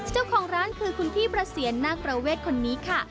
เจ้าของร้านคือคุณพี่ประเสียนนาคประเวทคนนี้ค่ะ